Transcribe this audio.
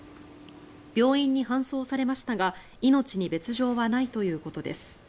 病院に搬送されましたが命に別条はないということです。